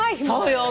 そうよ。